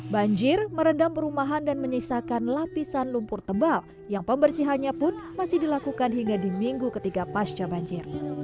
banjir merendam perumahan dan menyisakan lapisan lumpur tebal yang pembersihannya pun masih dilakukan hingga di minggu ketiga pasca banjir